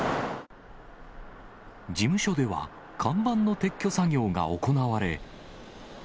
事務所では、看板の撤去作業が行われ。